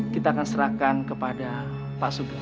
kita akan serahkan kepada pak sugeng